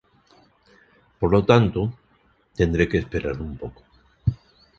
Por lo tanto, tendrá que esperar un poco".